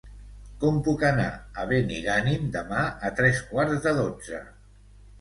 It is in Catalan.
Com puc anar a Benigànim demà a tres quarts de dotze?